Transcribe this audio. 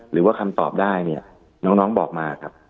หรือว่าคำตอบได้เนี่ยน้องบอกมาครับ